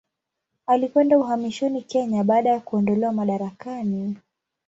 Alikwenda uhamishoni Kenya baada ya kuondolewa madarakani.